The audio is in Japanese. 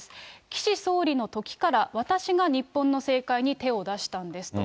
岸総理のときから私が日本の政界に手を出したんですと。